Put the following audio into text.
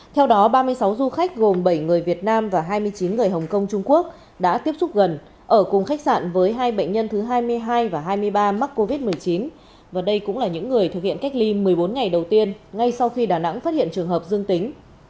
theo đó ba mươi sáu du khách gồm bảy người việt nam và hai mươi chín người hồng kông trung quốc đã tiếp xúc gần ở cùng khách sạn với hai bệnh nhân thứ hai mươi hai và hai mươi ba mắc covid một mươi chín và đây cũng là những người thực hiện cách ly một mươi bốn ngày đầu tiên ngay sau khi đà nẵng phát hiện trường hợp dương tính